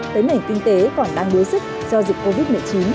tới nảy kinh tế còn đang đối sức do dịch covid một mươi chín